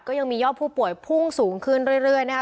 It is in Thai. ก็ยังมียอดผู้ป่วยพุ่งสูงขึ้นเรื่อยนะคะ